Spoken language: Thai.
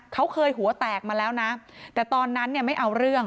เขาเคยหัวแตกมาแล้วนะแต่ตอนนั้นเนี่ยไม่เอาเรื่อง